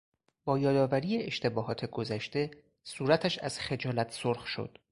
با یادآوری اشتباهات گذشته، صورتش از خجالت سرخ شد.